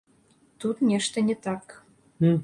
Тут нешта не так.